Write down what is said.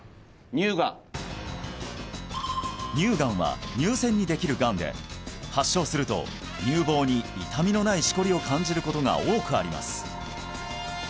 乳がん乳がんは乳腺にできるがんで発症すると乳房に痛みのないシコリを感じることが多くあります